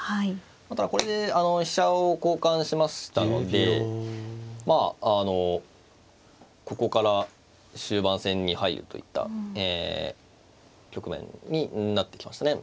ただこれで飛車を交換しましたのでまああのここから終盤戦に入るといった局面になってきましたね。